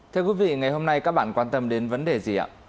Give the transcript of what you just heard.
thưa quý vị ngày hôm nay các bạn quan tâm đến vấn đề gì ạ